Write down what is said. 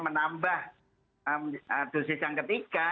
menambah dosis yang ketiga